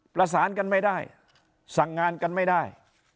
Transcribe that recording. ประสานกันไม่ได้สั่งงานกันไม่ได้